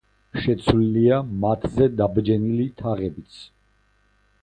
შეცვლილია მათზე დაბჯენილი თაღებიც.